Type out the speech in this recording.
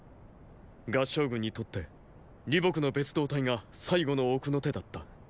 合従軍にとって李牧の別働隊が最後の奥の手だった。